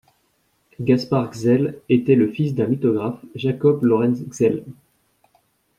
Gaspard Gsell était le fils d'un lithographe, Jakob Laurenz Gsell.